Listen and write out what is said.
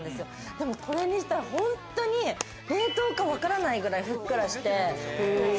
でもこれにしたら本当に冷凍かわからないくらいふっくらして。